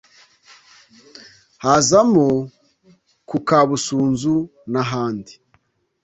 hazamo ku Kabusunzu n’ahandi